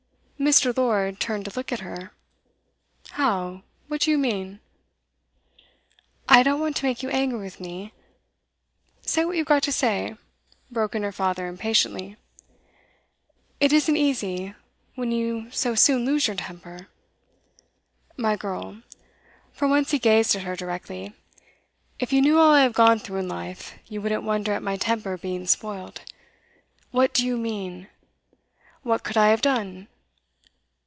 Mr. Lord turned to look at her. 'How? What do you mean?' 'I don't want to make you angry with me ' 'Say what you've got to say,' broke in her father impatiently. 'It isn't easy, when you so soon lose your temper.' 'My girl,' for once he gazed at her directly, 'if you knew all I have gone through in life, you wouldn't wonder at my temper being spoilt. What do you mean? What could I have done?